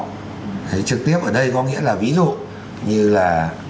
trực tiếp ở đây có nghĩa là ví dụ như là